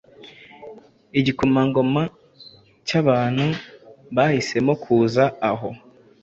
Igikomangoma cyabantu bahisemo kuza aho